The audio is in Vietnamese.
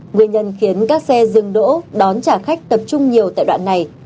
nguyên nhân khiến các xe dừng đỗ đón trả khách tập trung nhiều tại đoạn này